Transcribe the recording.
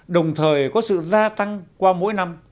đồng thời có sự gia tăng qua mỗi năm